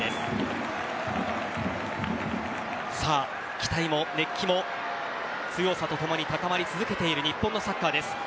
期待も熱気も強さと共に高まり続けている日本のサッカーです。